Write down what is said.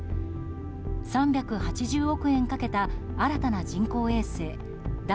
３８０億円かけた新たな人工衛星「だ